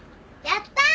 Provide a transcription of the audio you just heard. やったー！